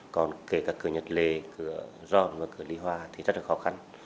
còn kể cả cửa nhật lệ cửa ron và cửa lý hòa thì rất là khó khăn